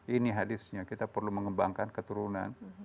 ini hadisnya kita perlu mengembangkan keturunan